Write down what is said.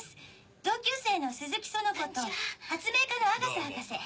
同級生の鈴木園子と発明家の阿笠博士。